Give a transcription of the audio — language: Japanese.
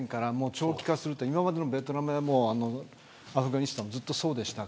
長期化すると、今までのベトナムやアフガニスタンもずっとそうでした。